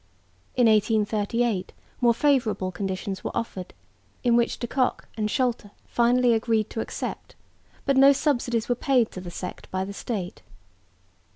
In 1838 more favourable conditions were offered, which De Cocq and Scholte finally agreed to accept, but no subsidies were paid to the sect by the State.